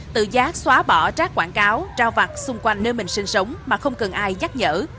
tự giác xóa bỏ rác quảng cáo trao vặt xung quanh nơi mình sinh sống mà không cần ai nhắc nhở